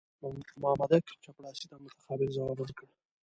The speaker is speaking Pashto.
مامدک چپړاسي ته متقابل ځواب ورکړ.